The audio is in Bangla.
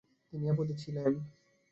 তিনি এ পদে ছিলেন।